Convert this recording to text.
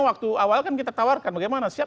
waktu awal kan kita tawarkan bagaimana siap